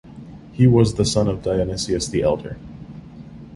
He was the son of Dionysius the Elder.